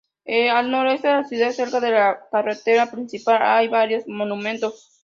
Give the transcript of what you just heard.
Al noreste de la ciudad, cerca de la carretera principal, hay varios monumentos.